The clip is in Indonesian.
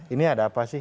ini ada apa sih